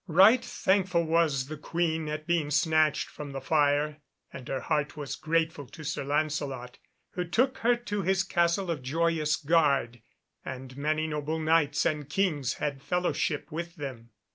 Right thankful was the Queen at being snatched from the fire, and her heart was grateful to Sir Lancelot, who took her to his Castle of Joyous Gard, and many noble Knights and Kings had fellowship with them.